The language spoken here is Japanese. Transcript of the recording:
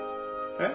えっ？